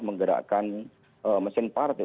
menggerakkan mesin partai